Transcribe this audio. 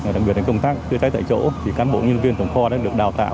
đặc biệt đến công tác chữa cháy tại chỗ thì cán bộ nhân viên tổng kho đã được đào tạo